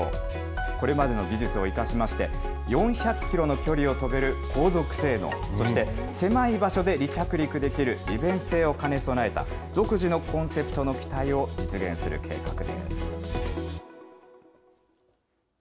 これまでの技術を生かしまして、４００キロの距離を飛べる航続性能、狭い場所で離着陸できる利便性を兼ね備えた、独自のコンセプトの機体を実現させる計画です。